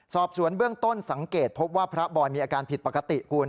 สอบสวนเบื้องต้นสังเกตพบว่าพระบอยมีอาการผิดปกติคุณ